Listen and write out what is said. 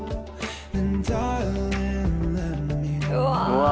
うわ！